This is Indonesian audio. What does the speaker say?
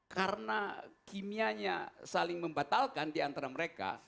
karena kimianya saling membatalkan diantara mereka